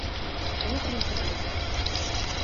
Kamu pernah ke Paris?